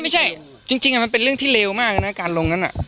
ไม่ใช่จริงเป็นเรื่องที่เลยการลงอะไรงั้น